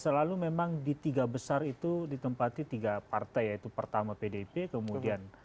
selalu memang di tiga besar itu ditempati tiga partai yaitu pertama pdip kemudian